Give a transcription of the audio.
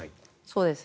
そうです。